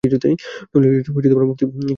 নইলে মুক্তি কিছুতেই নেই।